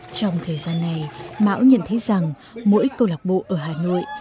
trong thời gian này mão nhận thấy rằng mỗi câu lạc bộ ở hà nội